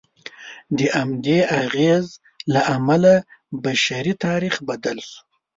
د همدې اغېز له امله بشري تاریخ بدل شو.